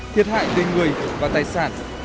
thiệt hại về người và tài sản